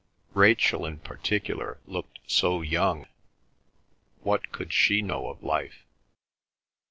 Rachel in particular looked so young—what could she know of life?